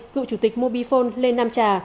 cựu chủ tịch mobifone lê nam trà